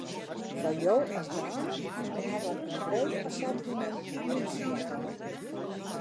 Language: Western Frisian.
Foar jo as dame hawwe wy in breed assortimint jûnsjaponnen.